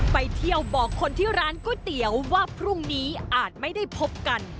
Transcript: ไปเที่ยวบอกคนที่ร้านก๋วยเตี๋ยวว่าพรุ่งนี้อาจไม่ได้พบกัน